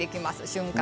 瞬間